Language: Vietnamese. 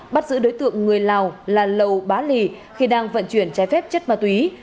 bắt giữ đối tượng người lào là lầu bá lì khi đang vận chuyển trái phép chất ma túy